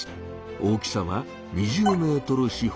大きさは２０ｍ四方。